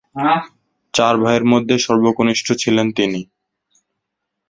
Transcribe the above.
চার ভাইয়ের মধ্যে সর্বকনিষ্ঠ ছিলেন তিনি।